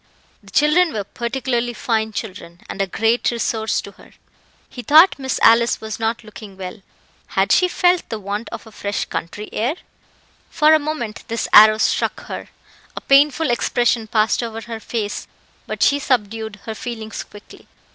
The children were particularly fine children, and a great resource to her. He thought Miss Alice was not looking well. Had she felt the want of the fresh country air? For a moment this arrow struck her; a painful expression passed over her face, but she subdued her feelings quickly.